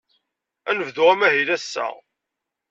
Ad nebdu amahil ass-a.